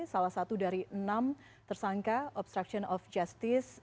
salah satu dari enam tersangka obstruction of justice